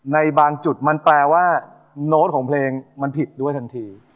ในบางจุดมันแปลว่าโน้ตของเพลงมันผิดด้วยทันที